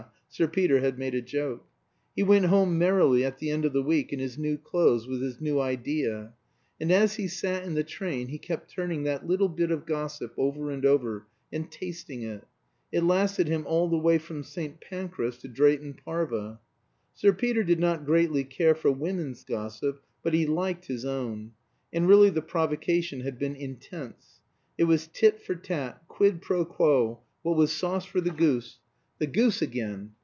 Sir Peter had made a joke.) He went home merrily at the end of the week in his new clothes with his new idea; and as he sat in the train he kept turning that little bit of gossip over and over, and tasting it. It lasted him all the way from St. Pancras to Drayton Parva. Sir Peter did not greatly care for women's gossip; but he liked his own. And really the provocation had been intense. It was tit for tat, quid pro quo, what was sauce for the goose the goose again!